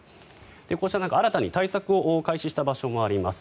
こうした中、新たに対策を開始した場所もあります。